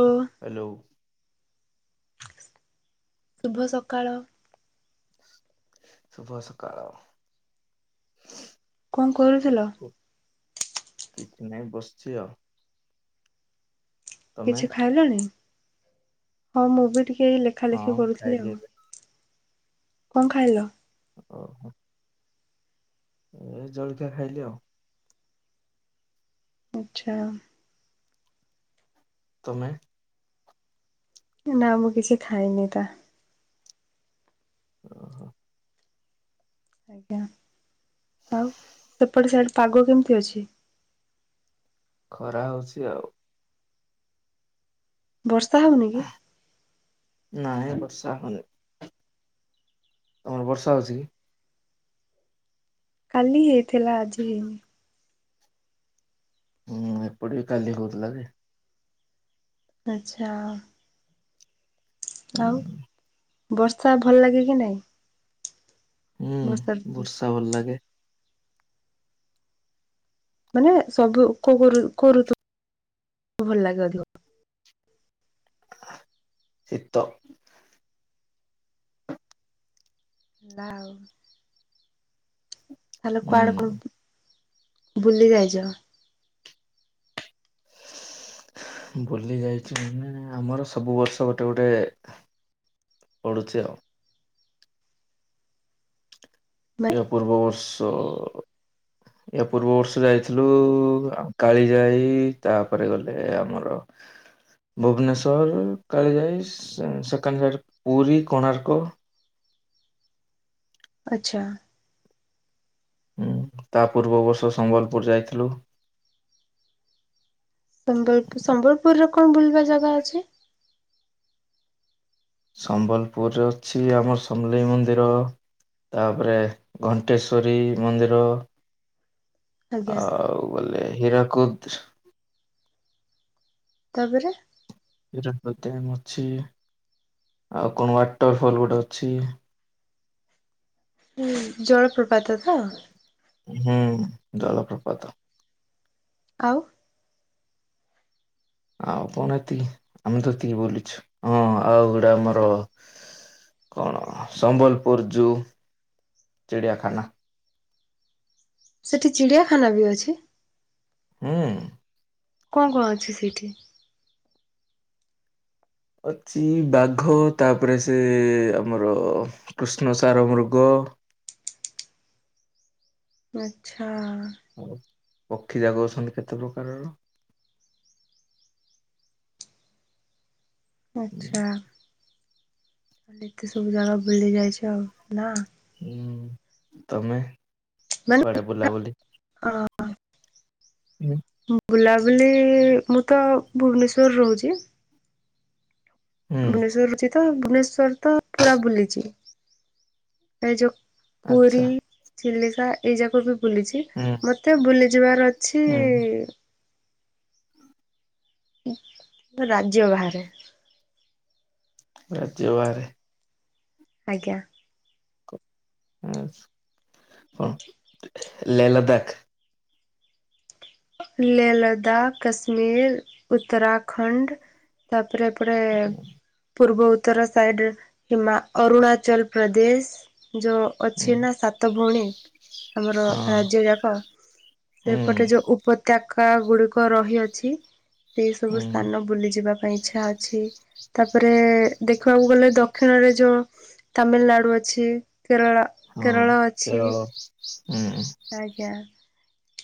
ଓ hello. ଶୁଭ ସକାଳ। ସୁଭ ସକାଳ। କଣ କରୁଥିଲ? ନାଇଁ ବସିଛି ଆଉ। ତମେ? କିଛି ଖାଇଲଣିି ହଁ ମୁଁ ବି ଟିକେ ଲେଖା ଲେଖି ହଁ କରୁଥିଲି ଖାଇଲି ଆଉ। ଏବେ କଣ ଖାଇଲ? ଓ ହୋ। ଏ ଜଳଖିଆ ଖାଇଲି ଆଉ। ଆଚ୍ଛା। ତୁମେ। ନା ମୁଁ କିଛି ଖାଇନି ତା। [inaudible] ଆଜ୍ଞା। ଆଉ ସେପଟେ ସାଇଟ୍ - ପାଗ କେମିତି ଅଛି? ଖରା ହୋଉଚି ଆଉ। ବର୍ଷା ହୋଉନି କି? ନାଇଁ ବର୍ଷା ହୋଉନି। ତମର ବର୍ଷା ହୋଉଚି କି? କାଲି ହେଇଥିଲା ଆଜି ହେଇନି। ହୁଁ ଏପଟେ ବି କାଲି ହୋଉଥୁଲା ବି। ଆଚ୍ଛା। ହୁଁ ଆଉ ବର୍ଷା ଭଲଲାଗେ କି ନାଇଁ? ହୁଁ ବର୍ଷା ଋତୁ ବର୍ଷା ଭଲଲାଗେ। ମାନେ ସବୁ କୋଉ କୋଉ ଋ- କୋଉ ଊ-ତୁ ଭଲଲାଗେ ଅଧିକ? ଶୀତ। ହେଲା ଆଉ ହେଲେ କୁଆଡେ ହୁଁ। କୁହନ୍ତି? ବୁଲି ଯାଇଚ? ବୁଲି ଯାଇଚି ମାନେ ଆମର ସବୁବର୍ଷ ଗୋଟେ ଗୋଟେ ପଡୁଚି ଆଉ। ଏହା ପୂର୍ବ ବର୍ଷ ହଁ ଏହା ପୂର୍ବ ବର୍ଷ ଯାଇଥିଲୁ ଆମ କାଳି ଯାଇ ତାପରେ ଗଲେ ଆମର ଭୁବନେଶ୍ଵରରୁ କାଳିଜାଇ ସେନ୍ ସେକନ୍ ସାଇଡରେ ପୁରୀ କୋଣାର୍କ। ଆଚ୍ଛା। ଉଁ ତା ପୂର୍ବବର୍ଷ ସମ୍ବଲପୁର ଯାଇଥିଲୁ। ସମ୍ବଲପୁ ସମ୍ବଲପୁରରେ କଣ ବୁଲିବା ଜାଗା ଅଛି? ସମ୍ବଲପୁରରେ ଅଛି ଆମର ସମଲେଇ ମନ୍ଦିର। ତାପରେ ଘଣ୍ଟେଶ୍ୱରୀ ମନ୍ଦିର। ଆଜ୍ଞା ଆଉ ବୋଲେ ହୀରାକୁଦ। ତାପରେ? ହିରାକୁଦ ଡ୍ୟାମ ଅଛି। ଆଉ କଣ ୱାଟର୍ ଫଲ୍ ଗୋଟେ ଅଛି। ହୁଁ ଜଳପ୍ରପାତ ତ? ହୁଁ ଜଲାପ୍ରପାତ। ଆଉ? ଆଉ କଣ ଏତିକି ଆମେ ତ ଏତିକି ବୁଲିଛୁ ହଁ ଆଉ ଗୋଟେ ଆମର କଣ ସମ୍ବଲପୁର ଯୁ ଚିଡିଆଖାନା। ସେଠି ଚିଡ଼ିଆଖାନା ବି ଅଛି? ହୁଁ। କଣ କଣ ଅଛି ସେଇଠି? ଅଛି ବାଘ ତାପରେ ସେ ଆମର କୃଷ୍ଣସାର ମୃଗ ଗ [inaudible] ଆଚ୍ଛା। ଆଉ ପକ୍ଷୀଯାକ ଅଛନ୍ତି କେତେ ପ୍ରକାରର। ଆଚ୍ଛା ତାହେଲେ ଏତେ ସବୁ ଜାଗା ବୁଲି ଯାଇଛ ଆଉ ନା? ହୁଁ ତମେ ମାନେ କୁଆଡେ ବୁଲାବୁଲି ମୁଁ ବୁଲାବୁଲି ମୁଁ ତ ଭୁବନେଶ୍ଵର ରହୁଚି। ହୁଁ ଭୁବନେଶ୍ଵର ରହୁଚି ତ ଭୁବନେଶ୍ଵର ତ ପୁରା ବୁଲିଚି ଏ ଯୋଉ ପୁରୀ ଆଚ୍ଛା। ଚିଲିକା ଏଇ ଯାକ ବି ବୁଲିଚି ହୁଁ ମତେ ବୁଲିଯିବାର ଅଛି ହୁଁ ରାଜ୍ୟ ବାହାରେ। ରାଜ୍ୟ ବାହାରେ? ଆଜ୍ଞା। ହଁ ହଁ ଲେଲ ଦାଖ ଲେଲା ଦାଖ କାଶ୍ମୀର ଉତ୍ତରାଖଣ୍ଡ। ତାପରେ ଏପଟେ ପୂର୍ବ ଉତ୍ତର ସାଇଡ଼ରେ ହିମା ଅରୁଣାଚଲ ପ୍ରଦେଶ। ଯେଉଁ ହଁ ଅଛି ନା ସାତ ଭଉଣୀ ଆମର ରାଜ୍ୟ ଯାକ। ହୁଁ ସେପଟେ ଯୋଉ ଉ ଜାଗା ଗୁଡ଼ିକ ରହିଅଛି ସେଇ ସବୁ ହୁଁ ସ୍ଥାନ ବୁଲିଯିବାକୁ ପାଇଁ ଇଛା ଅଛି ତାପରେ ଦେଖିବାକୁ ଗଲେ ଦକ୍ଷିଣରେ ଯୋଉ ତାମିଲନାଡ଼ୁ ଅଛି କେରଳ ହଁ କେରଳ ଅଛି। କେରଳ ହୁଁ ଆଜ୍ଞା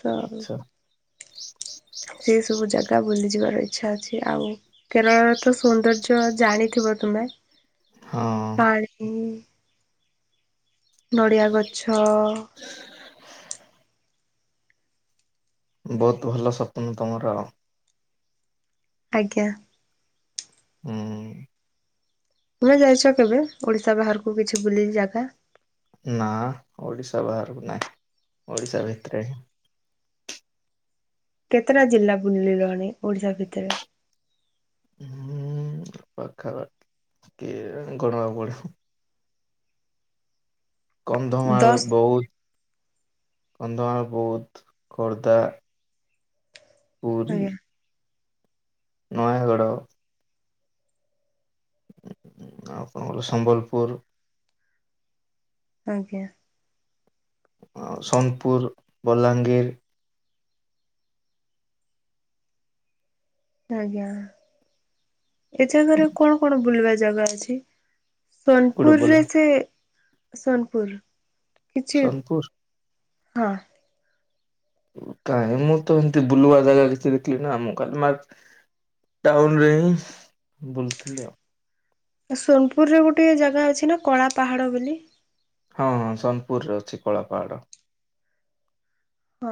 ତ ଆଚ୍ଛା [inaudible] ସେ ସବୁ ଜାଗା ବୁଲିଯିବାରଇ ଆଚ୍ଛା ଅଛି ଆଉ କେରଳରେ ତ ସୌନ୍ଦର୍ଯ୍ୟ ଜାଣିଥିବ ତୁମେ। ହଁ ପାଣି ନଡ଼ିଆ ଗଛ ଛଅ ବହୁତ ଭଲ ସ୍ୱପ୍ନ ତମର ଆଉ। ଆଜ୍ଞା। ହୁଁ। ତୁମେ ଯାଇଛ କେବେ ଓଡିଶା ବାହାରକୁ କିଛି ବୁଲିି ଜାଗା। ନା ଓଡିଶା ବାହାରକୁ ନାହିଁ ଓଡିଶା ଭିତରେ କେତେଟା ଜିଲ୍ଲା ବୁଲିଲଣି ଓଡିଶା ଭିତରେ। ହୁଁ ପାଖା ପାଖି କି ଗଣିବାକୁ ପଡ଼ିବ। କନ୍ଧମାଳ ଦଶ ବହୁତ। କନ୍ଧମାଳ ବୁଧ୍ ଖୋର୍ଦ୍ଧା। ପୁରୀ ଆଜ୍ଞା ନୟାଗଡ଼ ଆପଣ ଙ୍କର ସମ୍ବଲପୁର ଆଜ୍ଞା। ସୋନପୁର ବଲାଙ୍ଗୀର ଆଜ୍ଞା ଏ ଜାଗାରେ କଣ କଣ ବୁଲିବା ଜାଗା ଅଛି। ଗୋଟେ ବଲା ସୋନପୁରରେସେ ସୋନପୁର। କିଛି ସୋନପୁର ହଁ। କାହିଁ ମୁଁ ତ ଏମିତି ବୁଲୁବା ଜାଗା କିଛି ଦେଖିଲିନି ଆମେ ଖାଲି ମାର୍କେ ଟାଉନରେ ହିଁ ବୁଲିଥିଲି ଆଉ। ସୋନପୁରରେ ଗୋଟେ ଜାଗା ଅଛି ନା କଳା ପାହାଡ଼ ବୋଲି। ହଁ ହଁ ସୋନପୁରରେ ଅଛି କଳା ପାହାଡ଼। ହଁ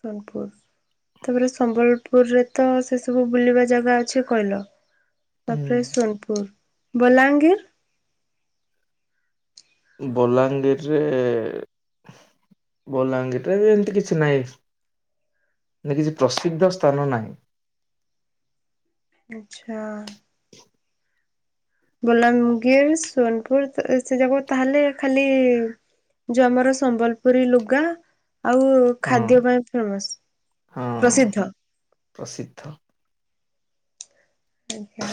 ସୋନପୁର। ତାପରେ ସମ୍ବଲପୁରରେ ତ ସେ ସବୁ ବୁଲିବା ଜାଗା ଅଛି କହିଲ। ତାପରେ ହୁଁ ସୋନପୁର ବଲାଙ୍ଗୀର ବଲାଙ୍ଗୀର ରେ ଏ ବଲାଙ୍ଗୀରରେ ବି ଏମିତି କିଛି ନାଇଁ ନା କିଛି ପ୍ରସିଦ୍ଧ ସ୍ଥାନ ନାହିଁ। ଆଚ୍ଛା। ବଲାଙ୍ଗୀର ସୋନପୁର ସେ ଜାଗା ତାହେଲେ ଖାଲି ଯ ଆମର ସମ୍ବଲପୁରୀ ଲୁଗା ଆଉ ହଁ ଖାଦ୍ୟ ପାଇଁ ଫେମସ୍ ହଁ ପ୍ରସିଦ୍ଧ। ପ୍ରସିଦ୍ଧ ଆଜ୍ଞା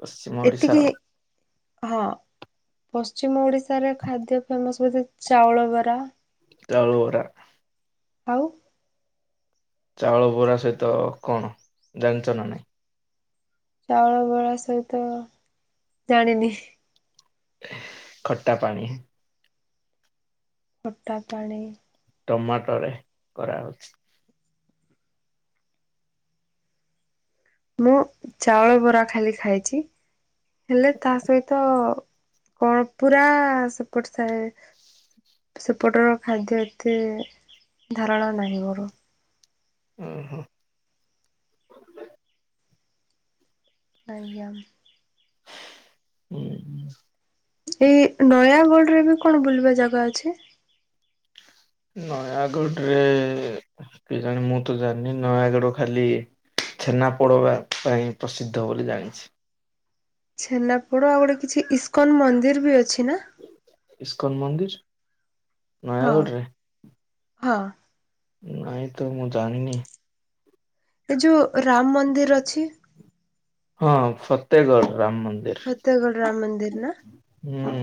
ପଶ୍ଚିମ ଓଡିଶା ଏତିକି ହଁ। ପଶ୍ଚିମ ଓଡିଶାରେ ଖାଦ୍ୟ ଫେମସ୍ ହଉଚି ଚାଉଳ ବରା। ଚାଉଳବରା। ଆଉ। ଚାଉଳ ବରା ସହିତ କଣ ଜାଣିଛ ନା ନାଇଁ? ଚାଉଳ ବରା ସହିତ ଜାଣିନି। ଖଟା ପାଣି। ଖଟା ପାଣି। ଟମାଟୋରେ କରାହଉଛି। ମୁଁ ଚାଉଳ ବରା ଖାଲି ଖାଇଛି ହେଲେ ତା ସହିତ କଣ ପୁରା ସେପଟ ସାଇ ସେପଟର ଖାଦ୍ୟ ଏତେ ଧାରଣା ନାହିଁ ମୋର। ଓ ହୋ। ଆଜ୍ଞା। ହୁଁ। ଏଇ ନୟାଗଡ ରେ ଏବେ କଣ ବୁଲିବା ଜାଗା ଅଛି? ନୟାଗଡରେ କେଜାଣି ମୁଁ ତ ଜାଣିନି ନୟାଗଡ ଖାଲି ଛେନା ପୋଡ ବା ପାଇଁ ପ୍ରସିଦ୍ଧ ବୋଲି ଜାଣିଛି। ଛେନାପୋଡ ଆଉ ଗୋଟେ କିଛି ଇସ୍କନ ମନ୍ଦିର ବି ଅଛି। ନା? ଇସ୍କନ ମନ୍ଦିର? ହଁ ନୟାଗଡ଼ରେ? ହଁ। ନାଇଁ ତ ମୁଁ ଜାଣିନି। ଏ ଯୋଉ ରାମ ମନ୍ଦିର ଅଛି। ହଁ ଫତେଏଗଡ଼ ରାମ ଫତେଗଡ ମନ୍ଦିର ରାମ ମନ୍ଦିର ନା? ହୁଁ।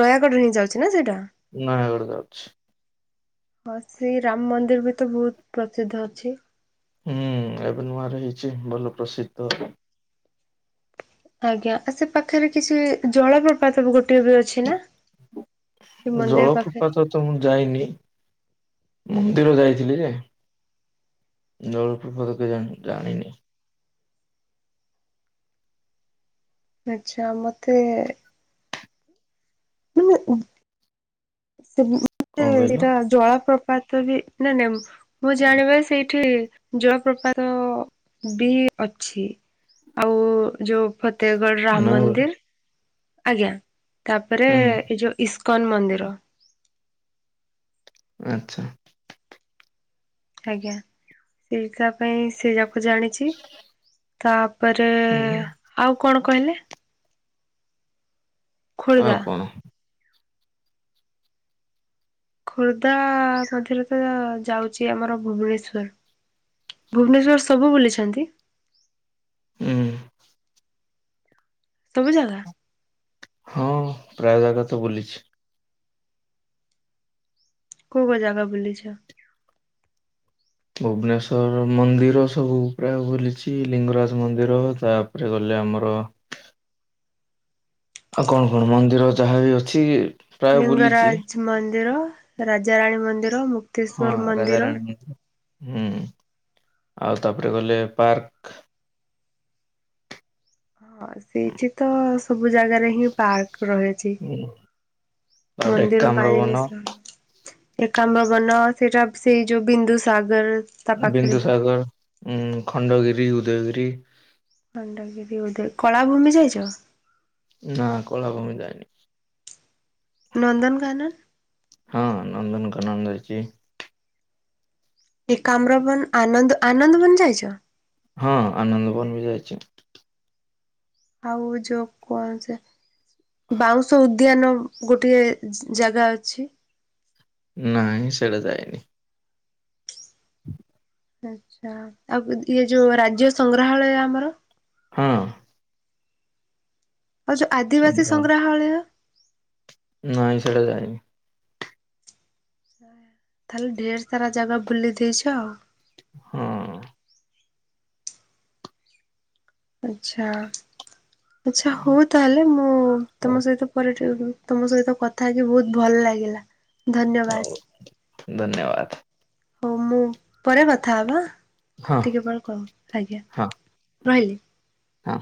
ନୟାଗଡରେ ହିଁ ଯାଉଚି ନା ସେଇଟା? ନୟାଗଡ଼ ଯାଉଚି। ହଁ ସେ ରାମ ମନ୍ଦିର ବି ତ ବହୁତ ପ୍ରସିଦ୍ଧ ଅଛି। ହୁଁ ଏବେ ନୂଆ ର ହେଇଚି ଭଲ ପ୍ରସିଦ୍ଧ। ଆଜ୍ଞା ଆ ସେ ପାଖରେ କିଛି ଜଳପ୍ରପାତ ବି ଗୋ ମନ୍ଦିର ପାଖରେ ଜଳପ୍ରପାତ ତ ମୁଁ ଯାଇନି। ମନ୍ଦିର ଯାଇଥିଲି ଯେ ଜଳ ପ୍ରପାତ କେଜାଣି ଜାଣିନି। ଆଚ୍ଛା ମତେ [unintelligible] ସେ କଣ କହିଲ? ସେଟା ଜଳା ପ୍ରପ ପାତ ବି ନା ନାଇଁ ମୁଁ ଜାଣିବାରେ ସେଇଠି ଜଳପ୍ରପାତ ବି ଅଛି ଆଉ ଯୋଉ ଫତେଇଗଡ ରାମ ନୟାଗଡ଼ ମନ୍ଦିର ଆଜ୍ଞା। ତାପରେ ହୁଁ ଏଇ ଯୋଉ ଇସ୍କନ ମନ୍ଦିର। ଆଚ୍ଛା। ଆଜ୍ଞା ସେଇଟା ପାଇଁ ସେ ଯାକ ଜାଣିଚି ତା ତାପରେ ହୁଁ ଆଉ କଣ କହିଲେ? ଆଉ ଖୋର୍ଦ୍ଧା କଣ ଖୋର୍ଦ୍ଧା ମଧ୍ୟରେ ତ ଯାଉଚି ଆମର ଭୁବନେଶ୍ଵର। ଭୁବୁନେଶ୍ୱର ସବୁ ବୁଲିଚନ୍ତି? ହୁଁ। ସବୁ ଜାଗା? ହଁ ପ୍ରାୟ ଜାଗା ତ ବୁଲିଚି। କଉ କଉ ଜାଗା ବୁଲିଚ? ଭୁବନେଶ୍ୱର ମନ୍ଦିର ସବୁ ପ୍ରାୟ ବୁଲିଚି ଲିଙ୍ଗରାଜ ମନ୍ଦିର ତାପରେ ଗ ସେ ଆମର [inaudible] ଆଉ କଣ କଣ ମନ୍ଦିର ଯାହା ବି ଅଛି ପ୍ରାୟ ବୁଲିଛି ଲିଙ୍ଗରାଜ୍ ମନ୍ଦିର, ରାଜାରାଣୀ ମନ୍ଦିର, ହଁ ମୁକ୍ତେଶ୍ଵର ମନ୍ଦିର। ରାଜାରାଣୀ ହୁଁ ଆଉ ତାପରେ ଗଲେ ପାର୍କ। ହଁ ସେଇଠି ତ ସବୁ ଜାଗାରେ ହିଁ ପାର୍କ। ରହିଛି, ତାପରେ ମନ୍ଦିର ଏକାମ୍ର ବନ ମାଳିନୀ ସହର। ଏକାମ୍ରବନ ସେଇଟା ସେଇ ଯୋଉ ବିନ୍ଦୁସାଗର୍ ବିନ୍ଦୁସାଗର ଉଁ ଖଣ୍ଡଗିରି ଉଦୟଗିରି। ଖଣ୍ଡଗିରି ଉଦୟ କଳାଭୂମି ଯାଇଛ? ନା କଳାଭୂମି ଯାଇନି। ନନ୍ଦନକାନନ? ନନ୍ଦ ଯାଇଛି। ଏକାମ୍ରବନ୍ ଆନନ୍ଦ୍ ଆନନ୍ଦବନ୍ ଯାଇଛ? ହଁ ଆନନ୍ଦବନ୍ ବି ଯାଇଛି। ଆଉ ଯୋଉ କଣ ସେ ବାଉଁଶ ଉଦ୍ୟାନ ଗୋଟେ ଜାଗା ଅଛି। ନାଇଁ ସେଟା ଯାଇନି। ଆଛା ଆଉ ଇଏ ଯୋଉ ରାଜ୍ୟ ସଂଗ୍ରହାଳୟ ଆମର ହଁ। ଆଉ ଯୋଉ ଆଦିବାସୀ ସଂଗ୍ରହାଳୟ। ନାଇଁ ସେଟା ଯାଇନି। ତାହେଲେ ଢେର୍ ସାରା ଜାଗା ବୁଲି ଦେଇଛ ଆଉ। ହଁ। ଆଛା, ଆଛା ହଉ ତାହେଲେ ମୁଁ ହଉ ତମ ସହିତ ପରେ [inaudible] ତମ ସହିତ କଥା ହେଇକି ବହୁତ ଭଲ ଲାଗିଲା। ଧନ୍ୟବାଦ ହଉ, ଧନ୍ୟବାଦ। ହଉ ମୁଁ, ପରେ କଥା ହବା ହଁ ଟିକେ ପରେ କଲ୍ ଆଜ୍ଞା। ହଁ ରହିଲି। ହଁ।